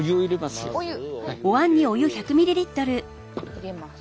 入れます。